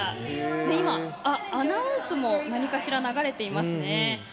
今、アナウンスも何かしら流れていますね。